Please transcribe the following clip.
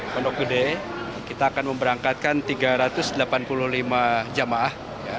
pondok gede kita akan memberangkatkan tiga ratus delapan puluh lima jamaah